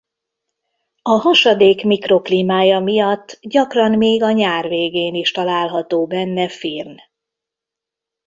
A hasadék mikroklímája miatt gyakran még a nyár végén is található benne firn.